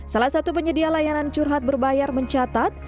salah satu penyedia layanan curhat berbayar mencatat